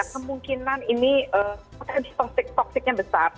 kemungkinan ini toxic toxicnya besar